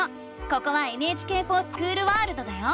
ここは「ＮＨＫｆｏｒＳｃｈｏｏｌワールド」だよ！